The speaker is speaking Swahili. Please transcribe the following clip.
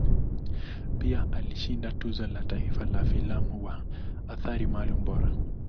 Pia alishinda Tuzo la Taifa la Filamu kwa Athari Maalum Bora.